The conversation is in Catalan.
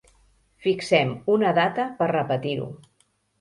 Fixem una data per repetir-ho.